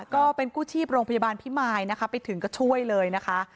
ก็เป็นกู้ชีพโรงพยาบาลพิมายนะคะไปถึงก็ช่วยเลยนะคะ